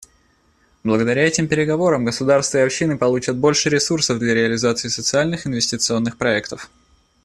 Благодаря этим переговорам государство и общины получат больше ресурсов для реализации социальных инвестиционных проектов.